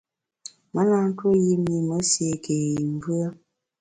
Me na ntuo yi mi me séé ké yi mvùe.